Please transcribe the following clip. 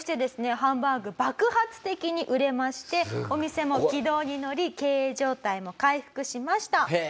ハンバーグ爆発的に売れましてお店も軌道にのり経営状態も回復しました。